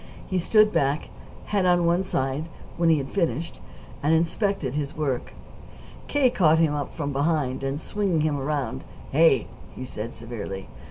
He stood back, head on one side, when he had finished, and inspected his work. K. caught him up from behind, and, swinging him around "Hey!" he said severely.